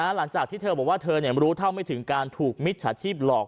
หลังจากที่เธอบอกว่าเธอรู้เท่าไม่ถึงการถูกมิจฉาชีพหลอก